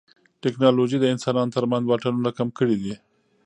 ټیکنالوژي د انسانانو ترمنځ واټنونه کم کړي دي.